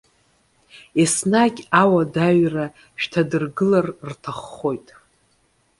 Еснагь ауадаҩра шәҭадыргылар рҭаххоит.